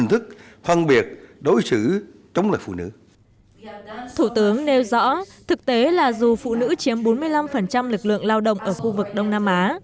thủ tướng nêu rõ thực tế là dù phụ nữ chiếm bốn mươi năm lực lượng lao động ở khu vực đông nam á